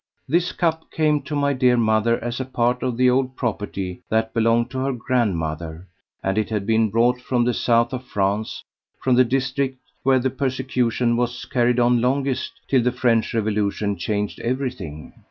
This cup came to my dear mother as a part of the old property that belonged to her grandmother, and it had been brought from the south of France, from the district where the persecution was carried on longest till the French revolution changed everything.